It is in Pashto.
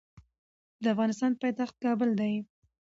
د افغانستان پایتخت کابل دي